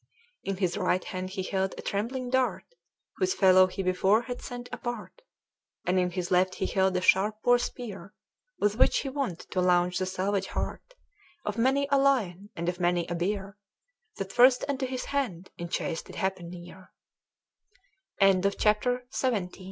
In his right hand he held a trembling dart, Whose fellow he before had sent apart; And in his left he held a sharp bore speare, With which he wont to launch the salvage heart Of many a lyon, and of many a beare, That first unto his hand in chase did happ